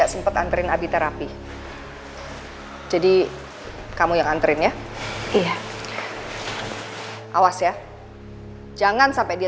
selamat istirahat dewi